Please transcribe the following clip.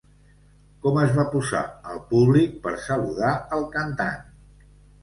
Com es va posar el públic per saludar el cantant?